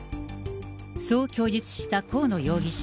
そう供述した河野容疑者。